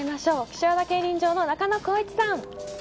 岸和田競輪場の中野浩一さん。